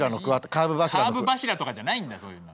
カーブ柱とかじゃないんだそういうの。